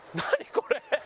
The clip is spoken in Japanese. これ！